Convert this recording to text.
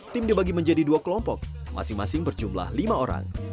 tim dibagi menjadi dua kelompok masing masing berjumlah lima orang